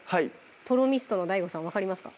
とろみストのＤＡＩＧＯさん分かりますか？